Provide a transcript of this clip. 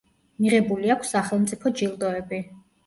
მიღებული აქვს სახელწიფო ჯილდოები.